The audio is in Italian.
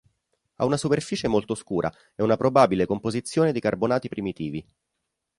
Ha una superficie molto scura e una probabile composizione di carbonati primitivi.